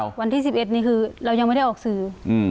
วันที่๑๑นี่คือเรายังไม่ได้ออกสื่อ